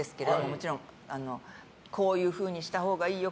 もちろんこういうふうにしたほうがいいよ